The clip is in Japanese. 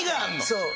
そう。